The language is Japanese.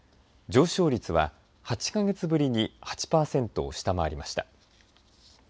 上昇率は８か月ぶりに８パーセントを下回りました。